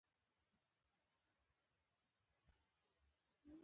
لمسی د نیکه دعا ته ارزښت ورکوي.